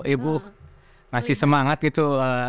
ibu masih semangat gitu